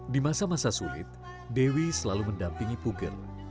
di masa masa sulit dewi selalu mendampingi puger